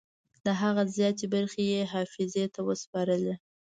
د هغه زیاتې برخې یې حافظې ته وسپارلې.